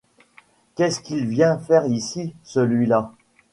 Qu'est-ce qu'il vient faire ici, celui-là ?